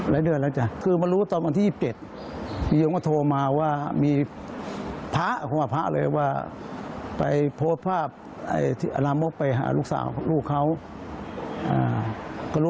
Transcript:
แล้วก็ดำเนินการศึกจากสมเนรเลยเพราะว่าผิดภินัย